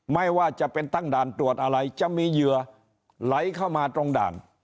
ไม่ว่าจะเป็นตั้งด่านตรวจอะไรจะมีเหยื่อไหลเข้ามาตรงด่าน